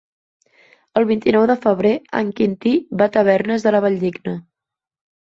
El vint-i-nou de febrer en Quintí va a Tavernes de la Valldigna.